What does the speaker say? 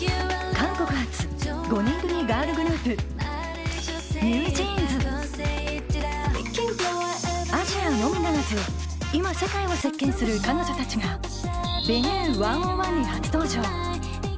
韓国発５人組ガールグループアジアのみならず今世界を席巻する彼女たちが「Ｖｅｎｕｅ１０１」に初登場！